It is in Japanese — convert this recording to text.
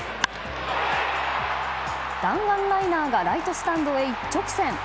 弾丸ライナーがライトスタンドへ一直線。